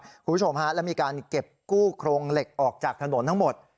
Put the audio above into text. คุณผู้ชมฮะแล้วมีการเก็บกู้โครงเหล็กออกจากถนนทั้งหมด